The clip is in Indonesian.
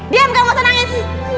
diam gak usah nangis